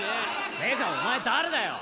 ってかお前誰だよ？